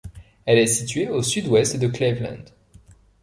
Elle est située au sud-ouest de Cleveland.